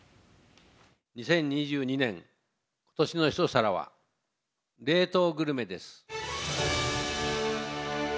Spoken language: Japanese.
２０２２年、今年の一皿は、冷凍グルメです。